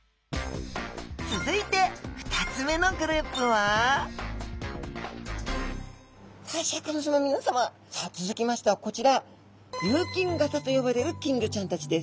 続いて２つ目のグループはさあシャーク香音さまみなさま続きましてはこちら琉金型と呼ばれる金魚ちゃんたちです。